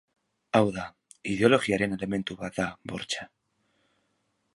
Hau da, ideologiaren elementu bat da bortxa.